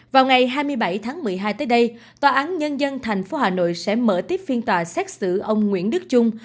vào ngày hai mươi bảy tháng một mươi hai tới đây tòa án nhân dân tp hà nội sẽ mở tiếp phiên tòa xét xử ông nguyễn đức trung